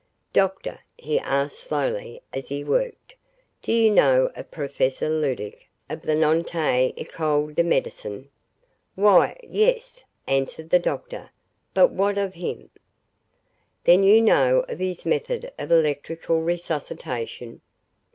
"Doctor," he asked slowly as he worked, "do you know of Professor Leduc of the Nantes Ecole de Medicin?" "Why yes," answered the doctor, "but what of him?" "Then you know of his method of electrical resuscitation."